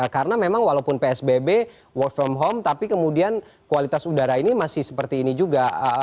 karena memang walaupun psbb work from home tapi kemudian kualitas udara ini masih seperti ini juga